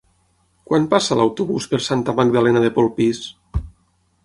Quan passa l'autobús per Santa Magdalena de Polpís?